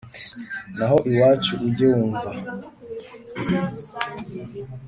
naho iwacu ujye wumva